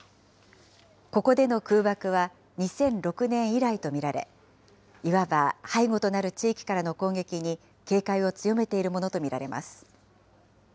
ここでの空爆は２００６年以来と見られ、いわば背後となる地域からの攻撃に、警戒を強めているものと見られます。